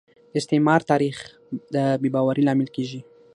د استعمار تاریخ د بې باورۍ لامل کیږي